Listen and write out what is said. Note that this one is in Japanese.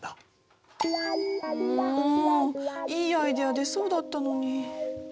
もういいアイデア出そうだったのに。